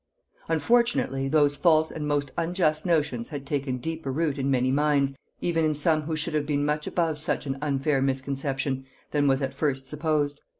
Unfortunately, those false and most unjust notions had taken deeper root in many minds, even in some who should have been much above such an unfair misconception, than was at first supposed.